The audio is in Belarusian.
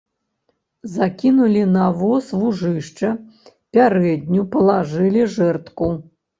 Закінулі на воз вужышча, пярэдню, палажылі жэрдку.